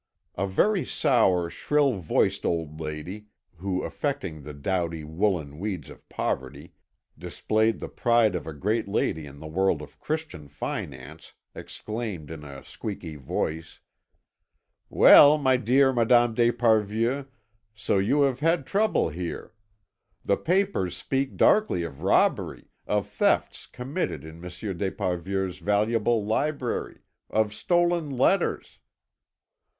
A very sour, shrill voiced old lady, who, affecting the dowdy, woollen weeds of poverty, displayed the pride of a great lady in the world of Christian finance, exclaimed in a squeaky voice: "Well, my dear Madame d'Esparvieu, so you have had trouble here. The papers speak darkly of robbery, of thefts committed in Monsieur d'Esparvieu's valuable library, of stolen letters...."